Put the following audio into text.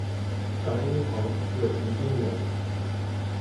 樊一蘅是宜宾人。